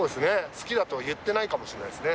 「好きだ」と言ってないかもしれないですね。